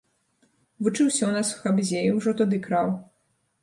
Вучыўся ў нас у хабзе, і ўжо тады краў.